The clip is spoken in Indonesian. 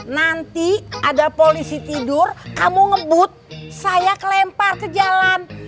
nanti ada polisi tidur kamu ngebut saya kelempar ke jalan